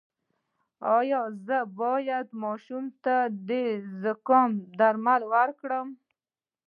ایا زه باید ماشوم ته د زکام درمل ورکړم؟